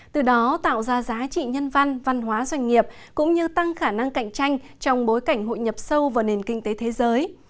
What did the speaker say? từ đó tạo ra giá trị nhân văn văn hóa doanh nghiệp cũng như tăng khả năng cạnh tranh trong bối cảnh hội nhập sâu vào nền kinh tế thế giới